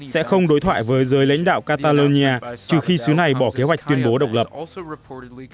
sẽ không đối thoại với giới lãnh đạo catalonia trừ khi sứ này bỏ kế hoạch tuyên bố độc lập